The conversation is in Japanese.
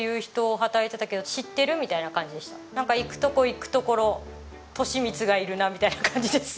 なんか行く所行く所トシミツがいるなみたいな感じです。